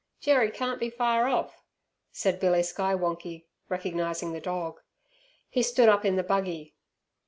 "Jerry can't be far off," said Billy Skywonkie, recognizing the dog. He stood up in the buggy.